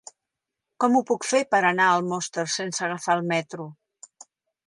Com ho puc fer per anar a Almoster sense agafar el metro?